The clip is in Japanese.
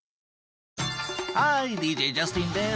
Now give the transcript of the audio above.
ハーイＤＪジャスティンです！